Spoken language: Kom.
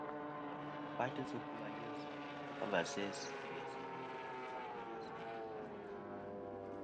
Và faŋa faytɨ sɨ kul ayes a và sæ sɨ yes ndo a kɨ yesa.